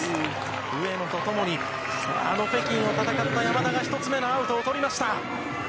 上野と共に、あの北京を戦った山田が、１つ目のアウトを取りました。